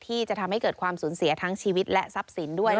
ที่จะทำให้เกิดความสูญเสียทั้งชีวิตและทรัพย์สินด้วย